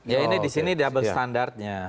ya ini di sini double standardnya